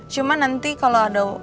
cuma nanti kalau ada